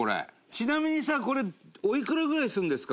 ちなみにさ、これおいくらぐらいするんですか？